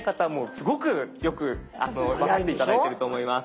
すごくよく分かって頂いてると思います。